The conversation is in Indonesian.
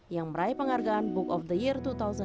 yang meraih penghargaan book of the year dua ribu dua puluh